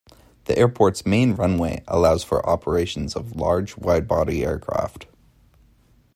The airport's main runway allows for operations of large, widebody aircraft.